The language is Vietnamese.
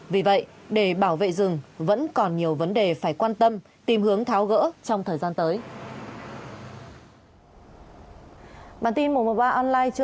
vì vậy để bảo vệ rừng vẫn còn nhiều vấn đề phải quan tâm tìm hướng tháo gỡ trong thời gian tới